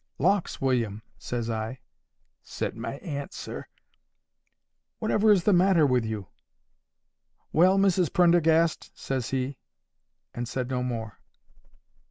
"Lawks, William!" says I,' said my aunt, sir, '"whatever is the matter with you?"—"Well, Mrs Prendergast!" says he, and said no more.